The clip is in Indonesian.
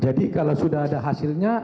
kalau sudah ada hasilnya